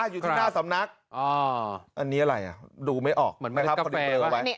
อยู่ที่หน้าสำนักอ๋ออันนี้อะไรอ่ะดูไม่ออกเหมือนไม่ได้กาแฟอันนี้